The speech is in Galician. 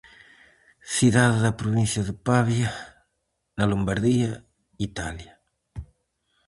Cidade da provincia de Pavia, na Lombardía, Italia.